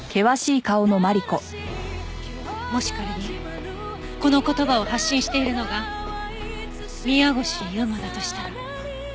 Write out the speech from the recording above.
もし仮にこの言葉を発信しているのが宮越優真だとしたら。